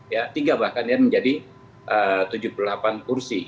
ya tiga bahkan ya menjadi tujuh puluh delapan kursi